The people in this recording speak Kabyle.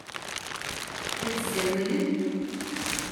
Ad d-tsawalem?